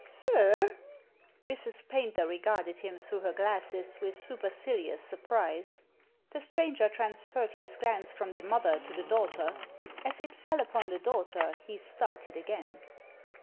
"Sir!" Mrs. Paynter regarded him through her glasses with supercilious surprise. The stranger transferred his glance from the mother to the daughter ; as it fell upon the daughter he started again.